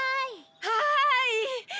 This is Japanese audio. はい。